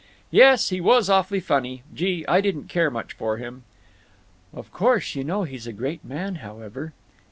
"Yes, he was awfully funny. Gee! I didn't care much for him." "Of course you know he's a great man, however?"